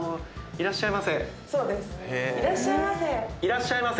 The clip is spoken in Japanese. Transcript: いらっしゃいませ。